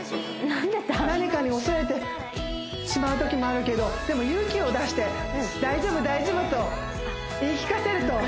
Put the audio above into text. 何かに恐れてしまうときもあるけどでも勇気を出して「大丈夫大丈夫」と言い聞かせるとなんか素敵な言葉